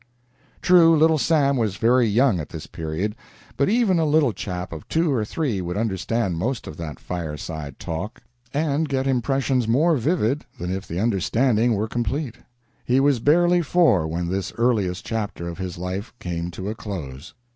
True, Little Sam was very young at this period, but even a little chap of two or three would understand most of that fireside talk, and get impressions more vivid than if the understanding were complete. He was barely four when this earliest chapter of his life came to a close.